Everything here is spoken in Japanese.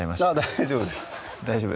大丈夫です